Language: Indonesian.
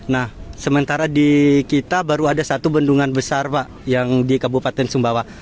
nah sementara di kita baru ada satu bendungan besar pak yang di kabupaten sumbawa